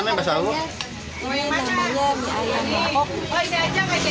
bakso lapa udah pernah ibu coba